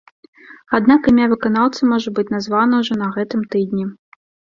Аднак імя выканаўцы можа быць названа ўжо на гэтым тыдні.